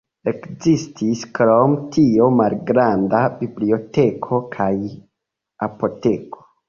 Ekzistis krom tio malgranda biblioteko kaj apoteko.